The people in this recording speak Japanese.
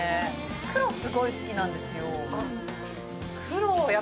黒すごい好きなんですよ。